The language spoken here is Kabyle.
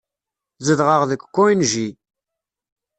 Zedɣeɣ deg Koenji.